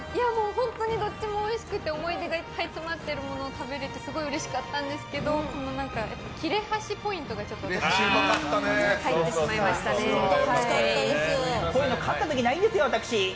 本当にどっちもおいしくて思い出がいっぱい詰まってるものを食べれてすごいうれしかったんですけど切れ端ポイントがこういうの勝ったことないんですよ、私。